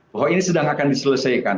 bahwa ini sedang akan diselesaikan